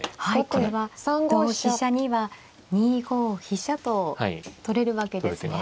これは同飛車には２五飛車と取れるわけですね。